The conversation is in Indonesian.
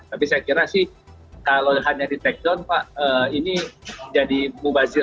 tapi saya kira sih kalau hanya di take down pak ini jadi mubazir